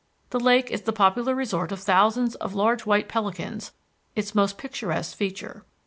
The lake is the popular resort of thousands of large white pelicans, its most picturesque feature.